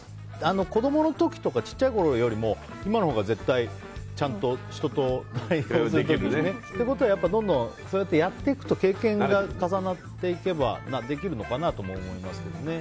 子供の時とか小さい時よりも今のほうが絶対ちゃんと人とできるよね。ということは、どんどんそうやっていくと経験が重なっていけばできるのかなと思いますけどね。